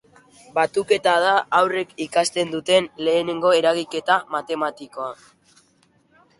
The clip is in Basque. Batuketa da haurrek ikasten duten lehenengo eragiketa matematikoa.